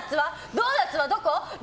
ドーナツはどこ？